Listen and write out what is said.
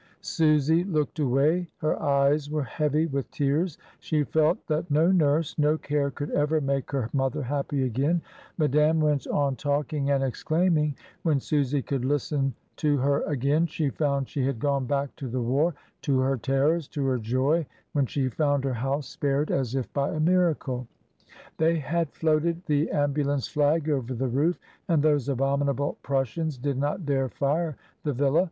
Susy looked away, her eyes were heavy with tears, she felt that no nurse, no care could ever make her mother happy again. Madame went on 1 98 MRS. DYMOND. talking and exclaiming; when Susy could listen to her again, she found she had gone back to the war, to her terrors, to her joy, when she found her house spared as if by miracle. They had floated the am bulance flag over the roof, and those abominable Prussians did not dare fire the villa.